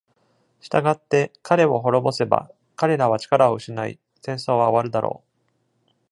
従って、彼を滅ぼせば、彼らは力を失い、戦争は終わるだろう。